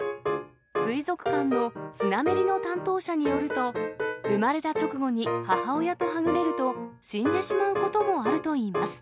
水族館のスナメリの担当者によると、生まれた直後に母親とはぐれると、死んでしまうこともあるといいます。